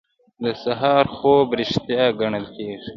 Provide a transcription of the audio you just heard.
د سهار خوب ریښتیا ګڼل کیږي.